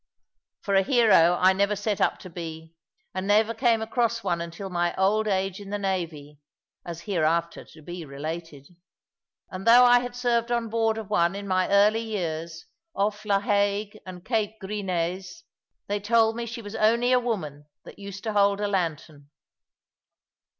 For a hero I never set up to be, and never came across one until my old age in the navy, as hereafter to be related. And though I had served on board of one in my early years, off La Hague and Cape Grisnez, they told me she was only a woman that used to hold a lantern.